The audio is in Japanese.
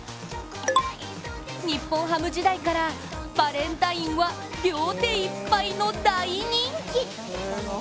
日本ハム時代からバレンタインは両手いっぱいの大人気。